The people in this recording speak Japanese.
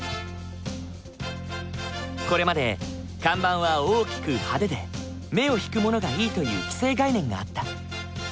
これまで看板は大きく派手で目を引くものがいいという既成概念があった。